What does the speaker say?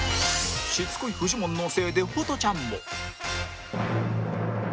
しつこいフジモンのせいでホトちゃんも